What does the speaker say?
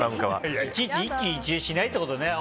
いちいち一喜一憂しないってことね。